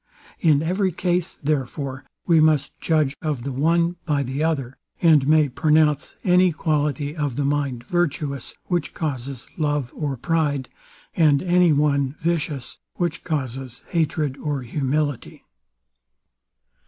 In every case, therefore, we must judge of the one by the other; and may pronounce any quality of the mind virtuous, which causes love or pride; and any one vicious, which causes hatred or humility.